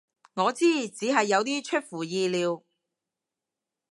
我知，只係有啲出乎意料